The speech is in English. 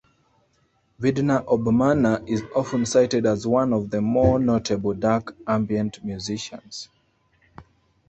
Vidna Obmana is often cited as one of the more notable dark ambient musicians.